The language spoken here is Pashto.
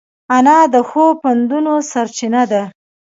انا د ښو پندونو سرچینه ده